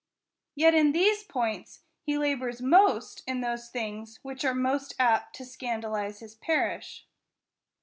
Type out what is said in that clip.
Yet in these points, he labors most in those things which are most apt to scandalize his parish.